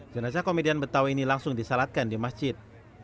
jenazah komedian betawi ini langsung disalatkan di masjid